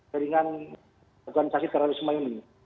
jaringan organisasi terorisme ini